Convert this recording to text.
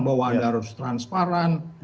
bahwa ada harus transparan